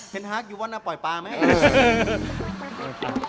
เป็นฮาร์กอยากปล่อยปลาไหม